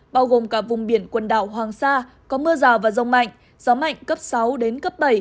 bao gồm cả vùng biển quần đảo hoàng sa có mưa rào và rông mạnh gió mạnh cấp sáu đến cấp bảy